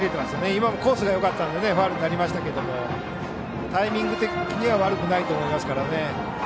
今もコースがよかったのでファウルでしたがタイミング的には悪くないと思いますからね。